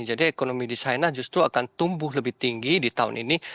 jadi ekonomi di china justru akan tumbuh lebih tinggi di tahun ini